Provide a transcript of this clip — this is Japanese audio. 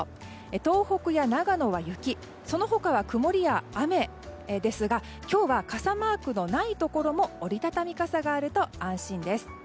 東北や長野は雪その他は曇りや雨ですが今日は傘マークのないところも折りたたみ傘があると安心です。